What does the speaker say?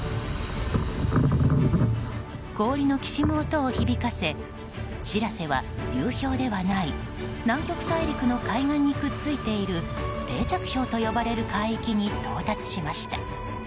氷のきしむ音を響かせ「しらせ」は流氷ではない南極大陸の海岸にくっついている定着氷と呼ばれる海域に到達しました。